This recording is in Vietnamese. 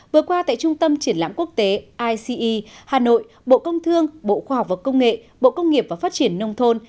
vừa qua tại trung tâm triển lãm quốc tế ice hà nội bộ công thương bộ khoa học và công nghệ bộ công nghiệp và phát triển nông thôn